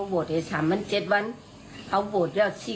ขอบคุณที่ยังควรจะจ่วยนะนี่